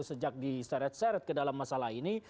sejak diseret seret ke dalam masalah ini